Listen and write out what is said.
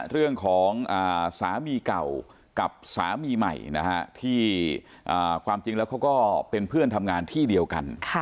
เรื่องของสามีเก่ากับสามีใหม่ที่ความจริงแล้วเขาก็เป็นเพื่อนทำงานที่เดียวกัน